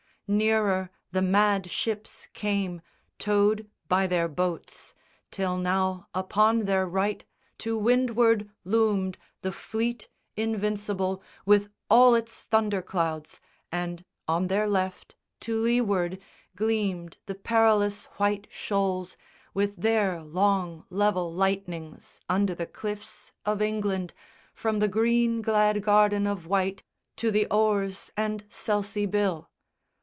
Nearer the mad ships came Towed by their boats, till now upon their right To windward loomed the Fleet Invincible With all its thunder clouds, and on their left To leeward, gleamed the perilous white shoals With their long level lightnings under the cliffs Of England, from the green glad garden of Wight To the Owers and Selsea Bill.